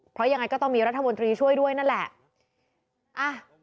เพราะยังไงก็ต้องมีรัฐมนตรีช่วยด้วยนั่นแหละ